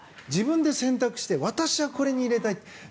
自分で選択して私はこれに入れたい。